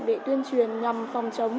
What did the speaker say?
để tuyên truyền nhằm phòng chống